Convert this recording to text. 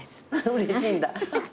うれしいんだ。